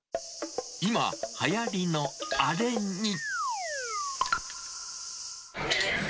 今、はやりのあれに。